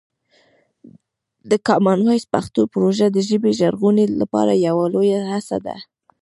د کامن وایس پښتو پروژه د ژبې ژغورنې لپاره یوه لویه هڅه ده.